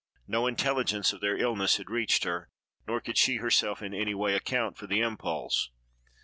No intelligence of their illness had reached her, nor could she herself in any way account for the impulse.